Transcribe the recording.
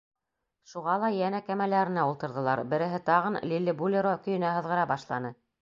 Шуға ла йәнә кәмәләренә ултырҙылар, береһе тағын «Лиллебулеро» көйөнә һыҙғыра башланы.